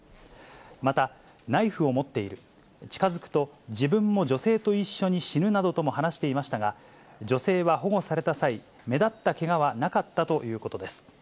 またナイフを持っている、近づくと、自分も女性と一緒に死ぬなどとも話していましたが、女性は保護された際、目立ったけがはなかったということです。